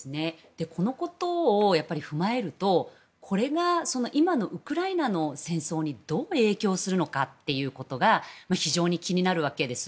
このことを踏まえるとこれが今のウクライナの戦争にどう影響するのかということが非常に気になるわけです。